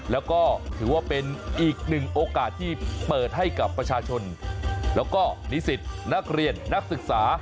แล้วก็ถือว่าเป็นอีกหนึ่งโอกาสที่เปิดให้กับประชาชนแล้วก็นิสิตนักเรียนนักศึกษา